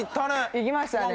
いきましたね。